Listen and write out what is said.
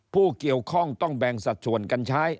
ผู้เกี่ยวข้องต้องแบ่งสัดส่วนกันใช้